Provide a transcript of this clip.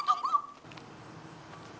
eh tunggu tunggu